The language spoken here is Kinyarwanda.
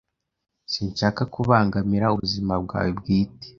Sinshaka kubangamira ubuzima bwawe bwite.